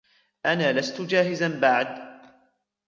أنا لست جاهزًا بعد.